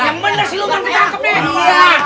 nyaman dah siluman ketangkepnya